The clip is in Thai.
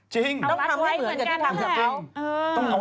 ล้มเน้มไปหรือเปล่า